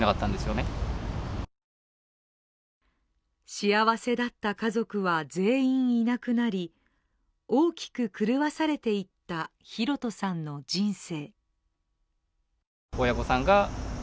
幸せだった家族は全員いなくなり大きく狂わされていった寛人さんの人生。